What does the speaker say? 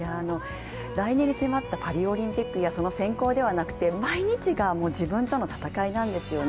来年に迫ったパリオリンピックやその選考ではなく、毎日が自分との戦いなんですよね。